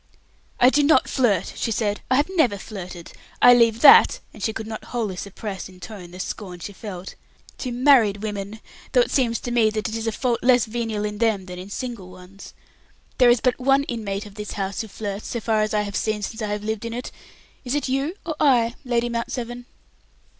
"I do not flirt!" she said; "I have never flirted. I leave that" and she could not wholly suppress in tone the scorn she felt "to married women; though it seems to me that it is a fault less venial in them than in single ones. There is but one inmate of this house who flirts, so far as I have seen since I have lived in it; is it you or I, Lady Mount Severn?"